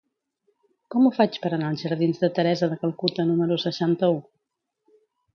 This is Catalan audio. Com ho faig per anar als jardins de Teresa de Calcuta número seixanta-u?